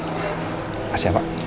terima kasih pak